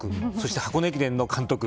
箱根駅伝の監督